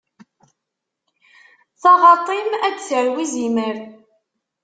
Taɣaṭ-im ad d-tarew izimer.